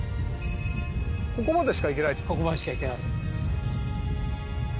ここまでしか行けない。